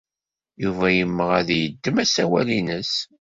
Yuba yemmeɣ ad d-yeddem asawal-nnes.